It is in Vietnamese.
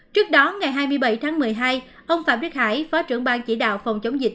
trước đó ngày hai mươi bảy tháng một mươi hai ông phạm viết hải phó trưởng ban chỉ đạo phòng chống dịch